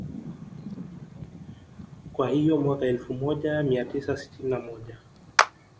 Kwa hiyo Mwaka elfu moja mia tisa sitini na moja